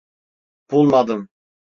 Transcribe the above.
Bulmadım.